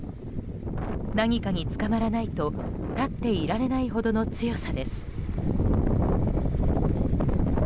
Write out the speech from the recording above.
何かにつかまらないと立っていられないほどの強さです。